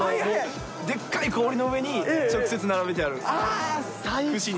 でっかい氷の上に直接並べてあー！